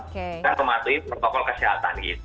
kita mematuhi protokol kesehatan